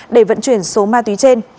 để vận chuyển số ma túy trên